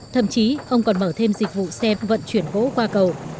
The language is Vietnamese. thậm chí ông còn mở thêm dịch vụ xe vận chuyển gỗ qua cầu